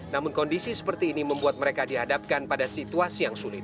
namun kondisi seperti ini membuat mereka dihadapkan pada situasi yang sulit